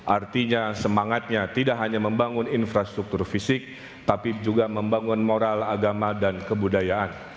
artinya semangatnya tidak hanya membangun infrastruktur fisik tapi juga membangun moral agama dan kebudayaan